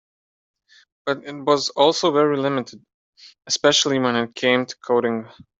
But it was also very limited, especially when it came to coding.